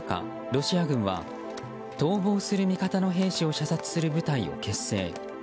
ロシア軍は、逃亡する味方の兵士を射殺する部隊を結成。